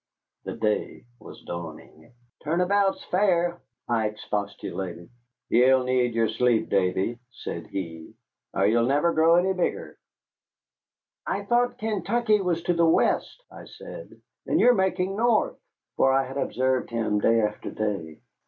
The day was dawning. "Turn about's fair," I expostulated. "Ye'll need yere sleep, Davy," said he, "or ye'll never grow any bigger." "I thought Kaintuckee was to the west," I said, "and you're making north." For I had observed him day after day.